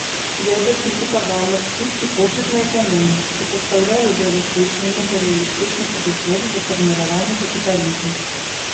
Вебер крытыкаваў марксісцкі погляд на эканоміку, супастаўляў ідэалістычны і матэрыялістычны падыходы да фарміравання капіталізму.